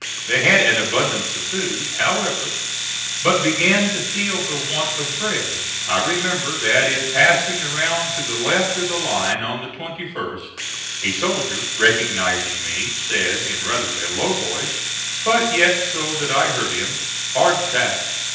They had an abundance of food, however, but began to feel the want of bread. I remember that in passing around to the left of the line on the 21st, a soldier, recognizing me, said in rather a low voice, but yet so that I heard him, "Hard tack."